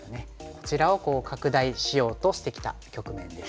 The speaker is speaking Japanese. こちらを拡大しようとしてきた局面です。